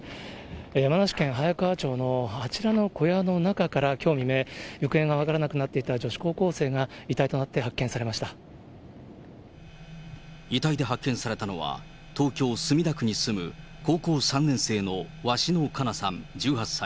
山梨県早川町のあちらの小屋の中からきょう未明、行方が分からなくなっていた女子高校生が遺体となって発見されま遺体で発見されたのは、東京・墨田区に住む高校３年生の鷲野花夏さん１８歳。